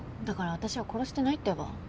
だから私は殺してないってば。